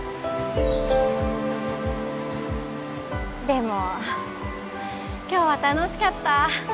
でも今日は楽しかった